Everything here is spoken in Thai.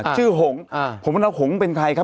ชื่อหงผมบอกว่าหงเป็นใครครับ